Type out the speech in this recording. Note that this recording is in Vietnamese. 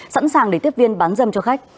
sẵn sàng để tiếp viên bán dâm cho khách